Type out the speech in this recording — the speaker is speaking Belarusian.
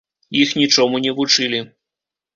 Іх нічому не вучылі.